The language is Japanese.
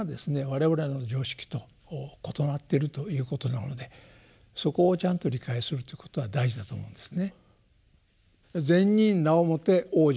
我々の常識と異なってるということなのでそこをちゃんと理解するということは大事だと思うんですね。